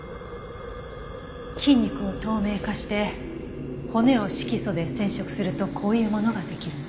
筋肉を透明化して骨を色素で染色するとこういうものができるの。